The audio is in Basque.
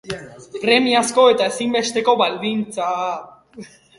Premiazko eta ezinbesteko baldintza.